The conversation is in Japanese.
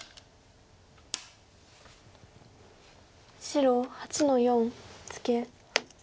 白８の四ツケ。